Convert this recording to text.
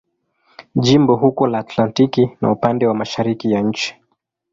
Jimbo uko la Atlantiki na upande wa mashariki ya nchi.